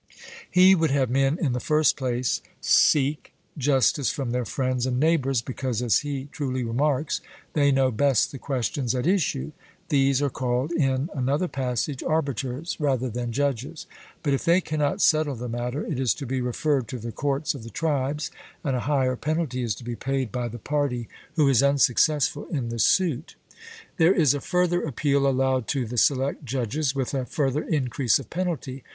He would have men in the first place seek justice from their friends and neighbours, because, as he truly remarks, they know best the questions at issue; these are called in another passage arbiters rather than judges. But if they cannot settle the matter, it is to be referred to the courts of the tribes, and a higher penalty is to be paid by the party who is unsuccessful in the suit. There is a further appeal allowed to the select judges, with a further increase of penalty.